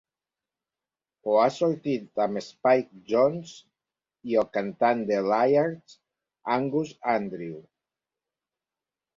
O ha sortit amb Spike Jonze i el cantant de Liars, Angus Andrew.